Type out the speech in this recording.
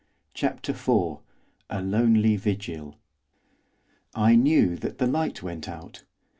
CHAPTER IV. A LONELY VIGIL I knew that the light went out.